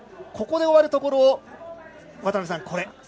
ここで終わるところを、渡辺さん。